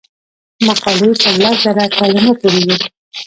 مقالې تر لس زره کلمو پورې وي.